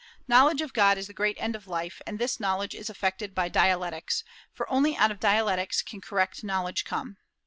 Knowledge of God is the great end of life; and this knowledge is effected by dialectics, for only out of dialectics can correct knowledge come.